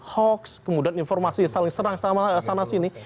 hoax kemudian informasi saling serang sama sana sini